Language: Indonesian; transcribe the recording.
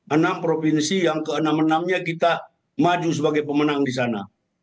enam provinsi yang ke enam enamnya kita maju sebagai pemenang di sana